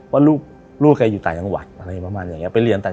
เพราะลูกแกอยู่แต่งอังวัดหรืออะไรละแมน